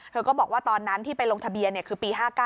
ก็บอกว่าตอนนั้นที่ไปลงทะเบียนคือปี๕๙